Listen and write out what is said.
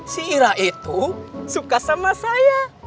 si ira itu suka sama saya